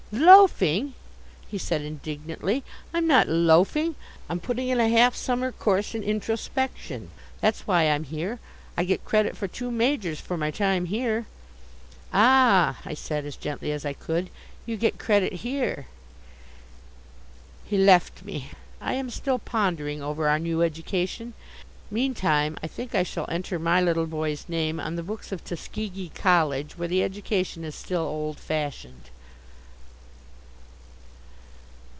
"Loafing!" he said indignantly. "I'm not loafing. I'm putting in a half summer course in Introspection. That's why I'm here. I get credit for two majors for my time here." "Ah," I said, as gently as I could, "you get credit here." He left me. I am still pondering over our new education. Meantime I think I shall enter my little boy's name on the books of Tuskegee College where the education is still old fashioned.